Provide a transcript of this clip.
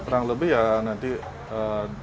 kurang lebih ya nanti dua puluh sampai tiga puluh menit